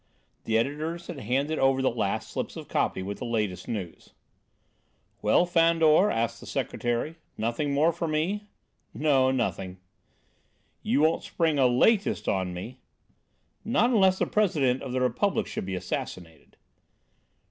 The editors had handed over the last slips of copy with the latest news. "Well, Fandor," asked the Secretary, "nothing more for me?" "No, nothing." "You won't spring a 'latest' on me?" "Not unless the President of the Republic should be assassinated."